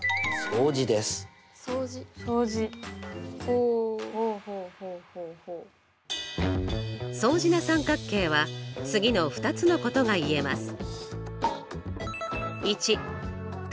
相似な三角形は次の２つのことが言えます。